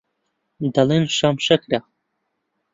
دەڵێن شام شەکرە